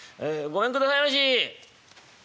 ごめんくださいまし！」。